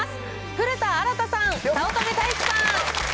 古田新太さん、早乙女太一さん。